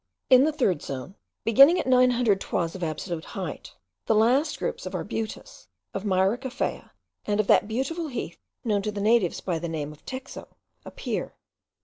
In the third zone (beginning at nine hundred toises of absolute height), the last groups of Arbutus, of Myrica Faya, and of that beautiful heath known to the natives by the name of Texo, appear.